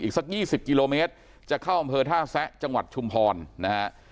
สัก๒๐กิโลเมตรจะเข้าอำเภอท่าแซะจังหวัดชุมพรนะฮะ